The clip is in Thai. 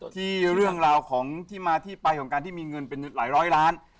ที่เรื่องราวของที่มาที่ไปของการที่มีเงินเป็นหลายร้อยล้าน